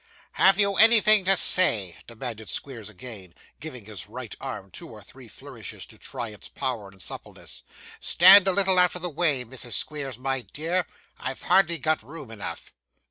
'Have you anything to say?' demanded Squeers again: giving his right arm two or three flourishes to try its power and suppleness. 'Stand a little out of the way, Mrs. Squeers, my dear; I've hardly got room enough.